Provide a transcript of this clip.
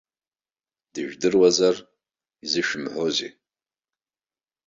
Дыжәдыруазар, изышәымҳәозеи?